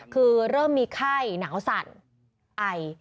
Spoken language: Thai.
คือเริ่มมีไข้หนาวสั่นไอ